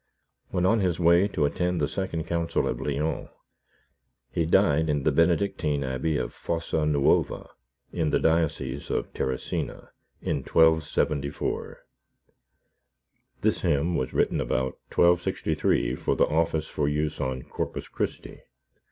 When on his way to attend the Second Council of Lyons, he died in the Benedictine abbey of Fossa Nuova, in the diocese of Terracina, in 1274. This hymn was written about 1263 for the office for use on Corpus Christi.